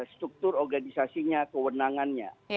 struktur organisasinya kewenangannya